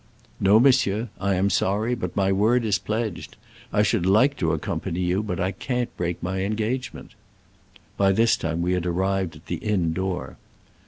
No, monsieur. I am sorry, but my word is pledged. I should like to accompany you, but I can't break my engagement." By this time we had arrived at the inn door.